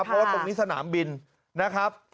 เพราะว่าตรงนี้สนามบินนะครับ